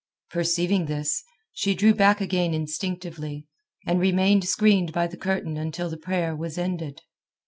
Perceiving this, she drew back again instinctively, and remained screened by the curtain until the prayer was ended.